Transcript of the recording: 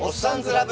ラブ−